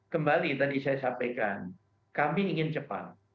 kembali tadi saya sampaikan kami ingin cepat